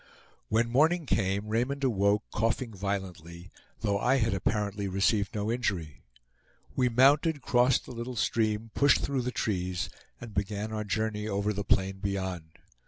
When morning came, Raymond awoke, coughing violently, though I had apparently received no injury. We mounted, crossed the little stream, pushed through the trees, and began our journey over the plain beyond.